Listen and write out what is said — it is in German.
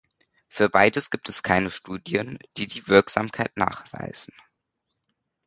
Für beides gibt es keine Studien, die die Wirksamkeit nachweisen.